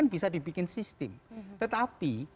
bisa dibikin sistem tetapi